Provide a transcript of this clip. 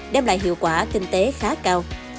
đem lại hiệu quả kinh tế khá cao